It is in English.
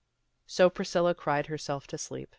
So Priscilla cried herself to sleep.